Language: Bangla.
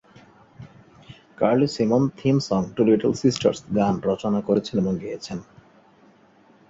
Curly Simon theme song "two little sisters" গান রচনা করেছেন এবং গেয়েছেন।